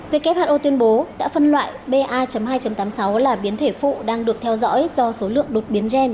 who tuyên bố đã phân loại ba hai tám mươi sáu là biến thể phụ đang được theo dõi do số lượng đột biến gen